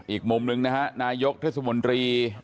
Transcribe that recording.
อีกมุมหนึ่งนะครับนายกเทศบรรดี